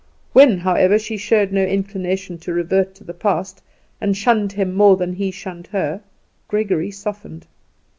When, however, she showed no inclination to revert to the past, and shunned him more than he shunned her, Gregory softened.